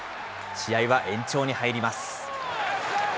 試合は延長に入ります。